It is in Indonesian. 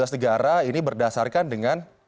satu ratus tujuh belas negara ini berdasarkan dengan